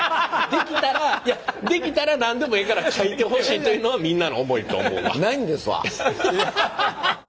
できたらできたら何でもええから書いてほしいというのがみんなの思いと思うわ。